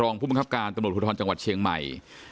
ผู้บังคับการตำรวจภูทรจังหวัดเชียงใหม่